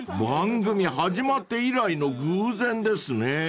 ［番組始まって以来の偶然ですね］